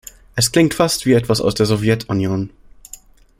Es klingt fast wie etwas aus der Sowjetunion.